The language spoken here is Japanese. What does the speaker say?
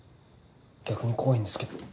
逆に怖いんですけど。